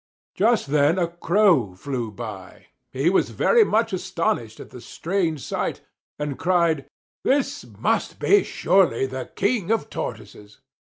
Just then a Crow flew by. He was very much astonished at the strange sight and cried: "This must surely be the King of Tortoises!"